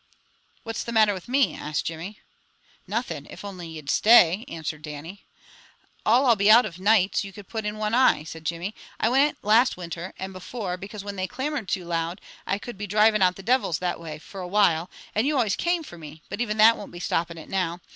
"What's the matter with me?" asked Jimmy. "Nothing, if only ye'd stay," answered Dannie. "All I'll be out of nights, you could put in one eye," said Jimmy. "I went last winter, and before, because whin they clamored too loud, I could be drivin' out the divils that way, for a while, and you always came for me, but even that won't be stopping it now.